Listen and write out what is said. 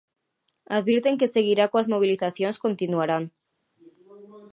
Advirten que seguirá coas mobilizacións continuarán.